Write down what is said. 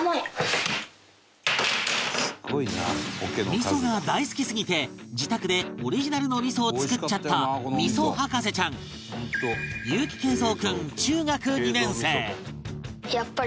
味噌が大好きすぎて自宅でオリジナルの味噌を作っちゃった味噌博士ちゃん結城敬蔵君中学２年生